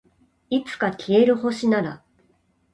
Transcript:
いつか消える星なら